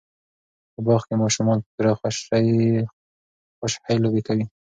په باغ کې ماشومان په پوره خوشحۍ لوبې کوي.